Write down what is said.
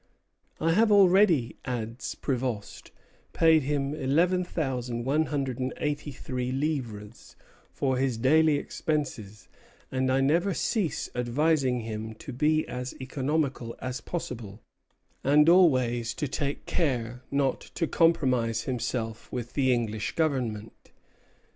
"I have already," adds Prévost, "paid him 11,183 livres for his daily expenses; and I never cease advising him to be as economical as possible, and always to take care not to compromise himself with the English Government."